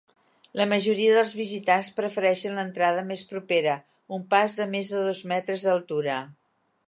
La majoria dels visitants prefereixen l'entrada més propera, un pas de més de dos metres d'altura.